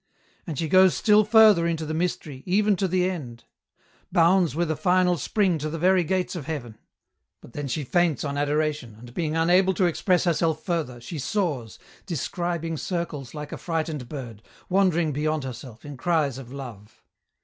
" And she joes still further into the mystery, even to the end j bounds with a final spring to the very gates of heaven, EN ROUTE. 71 out then she faints on adoration, and being unable to express herself further, she soars, describing circles like a frightened bird, wandering beyond herself, in cries of love."